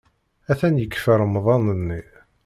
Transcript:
Atan yekfa Remḍan-nni!